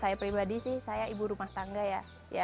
saya pribadi sih saya ibu rumah tangga ya